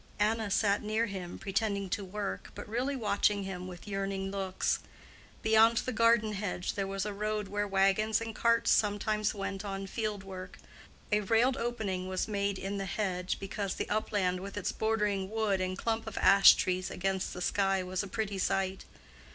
Anna sat near him, pretending to work, but really watching him with yearning looks. Beyond the garden hedge there was a road where wagons and carts sometimes went on field work: a railed opening was made in the hedge, because the upland with its bordering wood and clump of ash trees against the sky was a pretty sight.